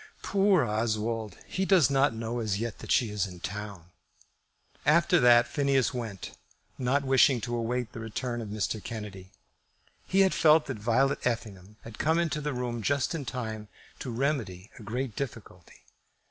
"Poor Oswald! he does not know as yet that she is in town." After that Phineas went, not wishing to await the return of Mr. Kennedy. He had felt that Violet Effingham had come into the room just in time to remedy a great difficulty.